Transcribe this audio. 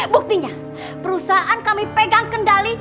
buktinya perusahaan kami pegang kendali